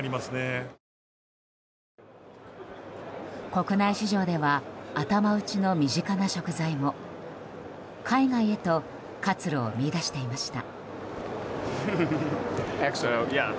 国内市場では頭打ちの身近な食材も海外へと活路を見いだしていました。